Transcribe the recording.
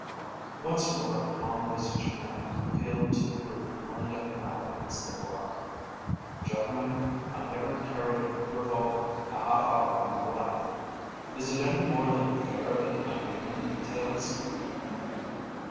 Once more the long visaged man appealed to the group lined up now against the bar. "Gentlemen I never carried a revolver a half hour in my life. Is it any more than fair that I name the details?"